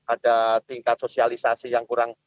ada tingkat sosialisasi yang kurang